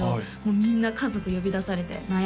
みんな家族呼び出されて何や？